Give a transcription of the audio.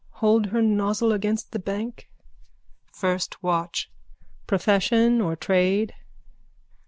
Hold her nozzle again the bank. FIRST WATCH: Profession or trade.